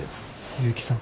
結城さん。